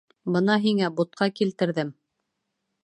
Бына һиңә бутҡа килтерҙем.